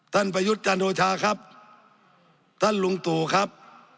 ประยุทธ์จันโอชาครับท่านลุงตู่ครับ